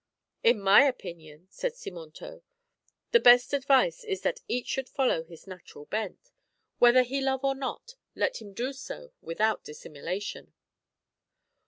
" In my opinion," said Simontault, " the best advice is that each should follow his natural bent Whether he love or not, let him do so without dissimulation."